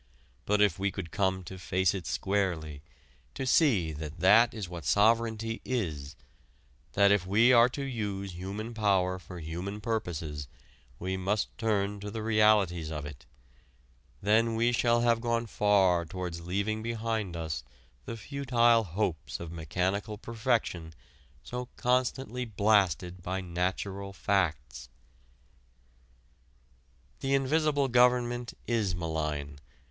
But if we could come to face it squarely to see that that is what sovereignty is that if we are to use human power for human purposes we must turn to the realities of it, then we shall have gone far towards leaving behind us the futile hopes of mechanical perfection so constantly blasted by natural facts. The invisible government is malign.